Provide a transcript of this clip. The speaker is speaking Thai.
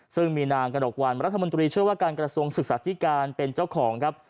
ซึ่งมีนางกระหนกวันรัฐมนตรีเชื่อว่าการกระทรวงศึกษาธิการเป็นเจ้าของครับ